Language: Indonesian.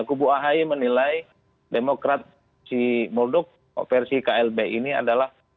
kubu ahy menilai demokrat si mulduk versi klb ini adalah